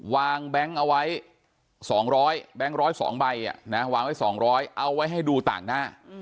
วางแบงก์เอาไว้๒๐๐แบงก์ร้อย๒ใบเอาไว้ให้ดูต่างหน้า